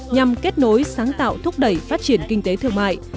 nhằm kết nối sáng tạo thúc đẩy phát triển kinh tế thương mại